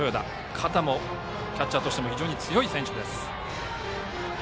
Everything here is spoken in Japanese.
肩もキャッチャーとして非常に強い選手です。